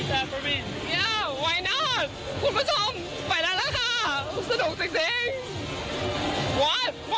ที่สนชนะสงครามเปิดเพิ่ม